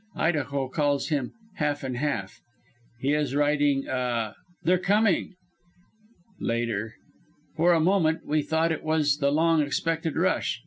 Idaho calls him 'Half and half.' He is riding a They're coming. "Later. For a moment we thought it was the long expected rush.